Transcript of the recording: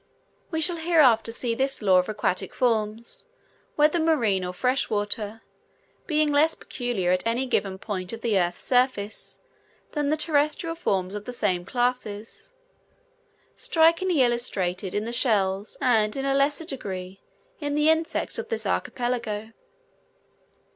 We shall hereafter see this law of aquatic forms, whether marine or fresh water, being less peculiar at any given point of the earth's surface than the terrestrial forms of the same classes, strikingly illustrated in the shells, and in a lesser degree in the insects of this archipelago.